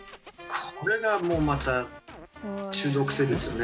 これがもうまた中毒性ですよね。